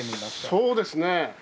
そうですね。